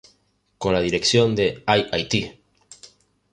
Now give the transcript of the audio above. Con la dirección de "¡Ay, Haiti!